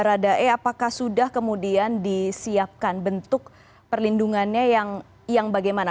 apakah sudah kemudian disiapkan bentuk perlindungannya yang bagaimana